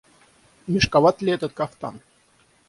Мешковат ли этот кафтан?